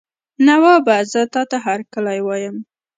نوابه زه تاته هرکلی وایم.